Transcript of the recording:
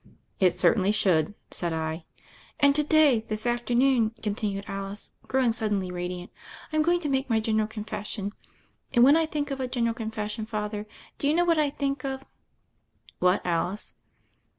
"It certainly should," said I. "And to day, this afternoon," continued Alice, THE FAIRY OF THE SNOWS 153 growing suddenly radiant, "I'm going to make my general confession, and when I think of t feneral confession, Father, do you know what think of?" "What, Alice?"